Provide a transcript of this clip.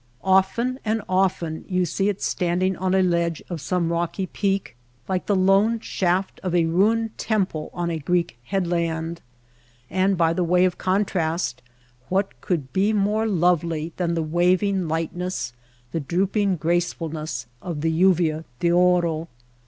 Often and often you see it standing on a ledge of some rocky peak, like the lone shaft of a ruined temple on a Greek headland. And by way of contrast what could be more lovely than the waving lightness, the drooping gracefulness of the lluvia d^oro.